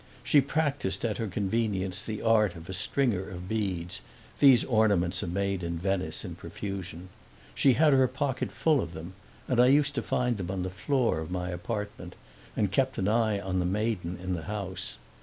She practiced, at her convenience, the art of a stringer of beads (these ornaments are made in Venice, in profusion; she had her pocket full of them, and I used to find them on the floor of my apartment), and kept an eye on the maiden in the house.